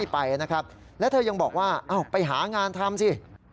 ไปหางานทำซิ